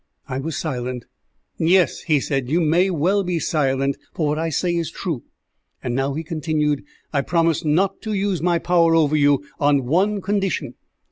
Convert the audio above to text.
I was silent. "Yes," he said, "you may well be silent, for what I say is true. And now," he continued, "I promise not to use my power over you on one condition."